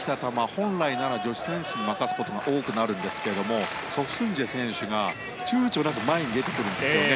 本来なら女子選手に任せることが多くなるんですがソ・スンジェ選手がちゅうちょなく前に出てくるんですよね。